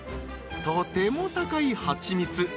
［とてもお高い蜂蜜